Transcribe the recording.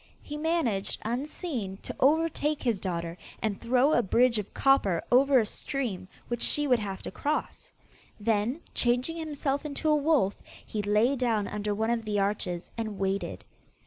He managed, unseen, to overtake his daughter, and throw a bridge of copper over a stream which she would have to cross. Then, changing himself into a wolf, he lay down under one of the arches, and waited.